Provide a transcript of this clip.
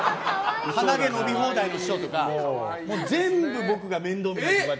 鼻毛伸び放題の師匠とか全部、僕が面倒を見る。